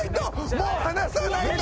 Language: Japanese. もう離さないと！